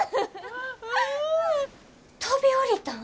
飛び降りたん！？